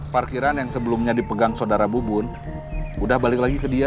parkiran yang sebelumnya dipegang saudara bubun udah balik lagi ke dia